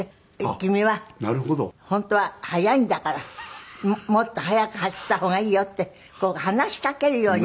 君は本当は速いんだからもっと速く走った方がいいよってこう話しかけるように。